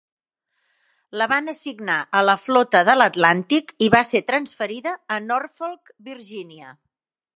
La van assignar a la Flota de l'Atlàntic i va ser transferida a Norfolk, Virgínia.